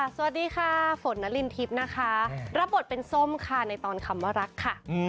สวัสดีค่ะฝนนารินทิพย์นะคะรับบทเป็นส้มค่ะในตอนคำว่ารักค่ะ